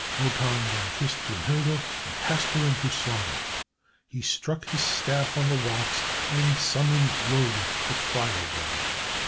Wotan then kissed Brünnhilde, and cast her into slumber. He struck his staff on the rocks, and summoned Loge, the Fire God.